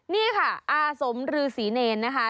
นี่ค่ะอาสมรือศรีเนรนะคะ